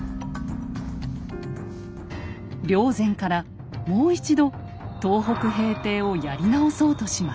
霊山からもう一度東北平定をやり直そうとします。